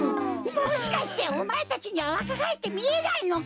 もしかしておまえたちにはわかがえってみえないのか？